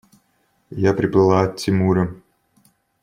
Я приплыла от Тимура.